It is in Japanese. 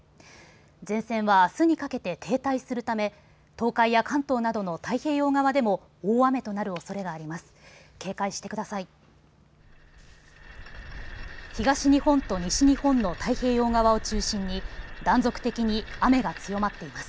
前線はあすにかけて停滞するため東海や関東などの太平洋側でも大雨となるおそれがあります。